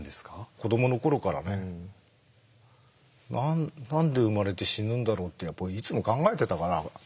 子どもの頃からね何で生まれて死ぬんだろうっていつも考えてたから。